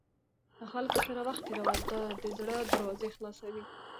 له خلکو سره وخت تېروه، دا د زړه دروازې خلاصوي.